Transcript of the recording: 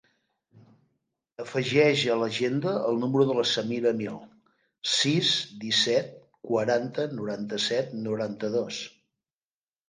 Afegeix a l'agenda el número de la Samira Amil: sis, disset, quaranta, noranta-set, noranta-dos.